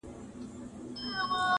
له دوا او له طبیب سره یې ژوند وو٫